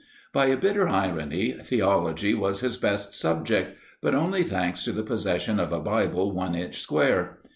By a bitter irony, theology was his best subject, but only thanks to the possession of a Bible one inch square.